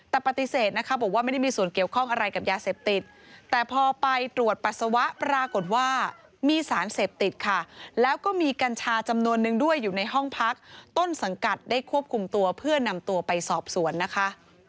แต่ปฏิเสธนะคะบอกว่าไม่ได้มีส่วนเกี่ยวข้องอะไรกับยาเสพติดแต่พอไปตรวจปัสสาวะปรากฏว่ามีสารเสพติดค่ะแล้วก็มีกัญชาจำนวนนึงด้วยอยู่ในห้องพักต้นสังกัดได้ควบคุมตัวเพื่อนำตัวไปสอบสวนนะคะ